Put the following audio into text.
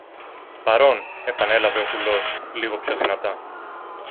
Παρών! επανέλαβε ο κουλός λίγο πιο δυνατά